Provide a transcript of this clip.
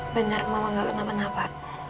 bener mama gak kena pernah apa